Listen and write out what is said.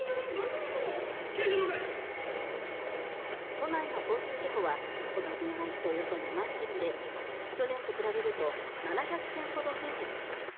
都内の交通事故は今年に入っておよそ２万件で去年と比べると７００件ほど増えています。